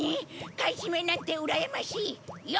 買い占めなんてうらやましい！